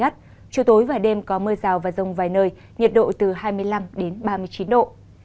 chiều tối và đêm có mưa rào và rông vài nơi nhiệt độ từ hai mươi năm đến ba mươi chín độ